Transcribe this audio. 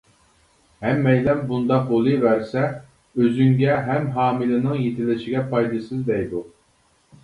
ھەممەيلەن بۇنداق بولۇۋەرسە ئۆزۈڭگە ھەم ھامىلىنىڭ يېتىلىشىگە پايدىسىز دەيدۇ.